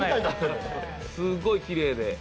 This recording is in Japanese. すっごいきれいで。